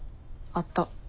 あった。